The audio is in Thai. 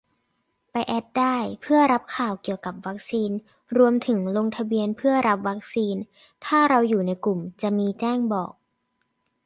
ไปแอดได้ เพื่อรับข่าวเกี่ยวกับวัคซีน รวมถึงลงทะเบียนเพื่อรับวัคซีน ถ้าเราอยู่ในกลุ่ม จะมีแจ้งบอก